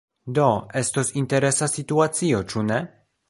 Do, estos interesa situacio, ĉu ne?